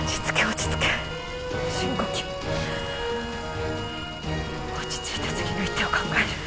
落ち着いて次の一手を考える。